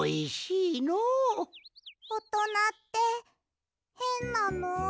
おとなってへんなの。